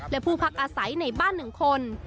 และผู้พักอาศัยในบ้าน๑คน